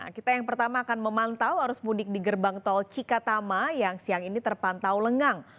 kita yang pertama akan memantau arus mudik di gerbang tol cikatama yang siang ini terpantau lengang